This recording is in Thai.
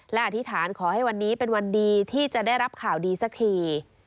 และอธิษฐานขอให้วันนี้เป็นวันดีที่จะได้รับข่าวดีสักที